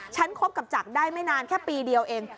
คบกับจักรได้ไม่นานแค่ปีเดียวเอง